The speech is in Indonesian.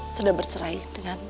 sudah berserai dengan